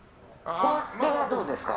これはどうですか？